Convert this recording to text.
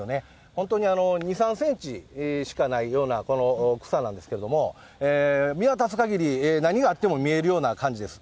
本当に２、３センチしかないような、この草なんですけれども、見渡すかぎり、何があっても見えるような感じです。